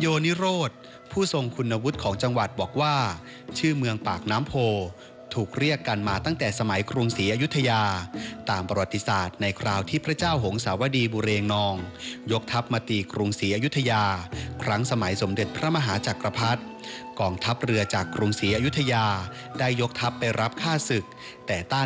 โยนิโรธผู้ทรงคุณวุฒิของจังหวัดบอกว่าชื่อเมืองปากน้ำโพถูกเรียกกันมาตั้งแต่สมัยกรุงศรีอยุธยาตามประวัติศาสตร์ในคราวที่พระเจ้าหงสาวดีบุเรงนองยกทัพมาตีกรุงศรีอยุธยาครั้งสมัยสมเด็จพระมหาจักรพรรดิกองทัพเรือจากกรุงศรีอยุธยาได้ยกทัพไปรับค่าศึกแต่ต้าน